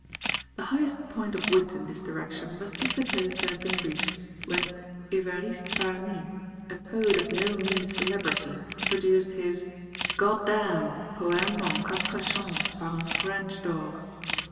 The highest point of wit in this direction must be supposed to have been reached when Evariste Parny, a poet of no mean celebrity, produced his "Goddam! poëme en quatre chants, par un French dog."